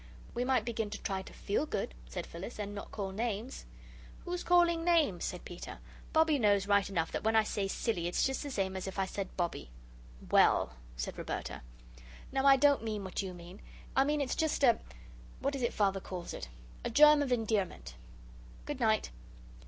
"We might begin to try to FEEL good," said Phyllis, "and not call names." "Who's calling names?" said Peter. "Bobbie knows right enough that when I say 'silly', it's just the same as if I said Bobbie." "WELL," said Roberta. "No, I don't mean what you mean. I mean it's just a what is it Father calls it? a germ of endearment! Good night."